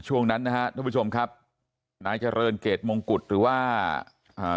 ช่วงนั้นนะฮะท่านผู้ชมครับนายเจริญเกรดมงกุฎหรือว่าอ่า